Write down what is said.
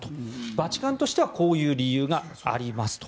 バチカンとしてはこういう理由がありますと。